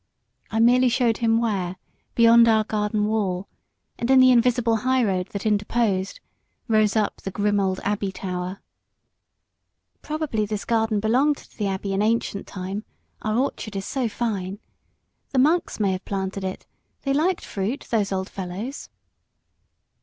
I merely showed him where, beyond our garden wall, and in the invisible high road that interposed, rose up the grim old Abbey tower. "Probably this garden belonged to the Abbey in ancient time our orchard is so fine. The monks may have planted it; they liked fruit, those old fellows."